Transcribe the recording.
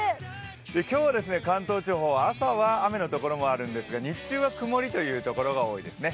今日は関東地方、雨のところもあるんですが日中は曇りというところが多いですね。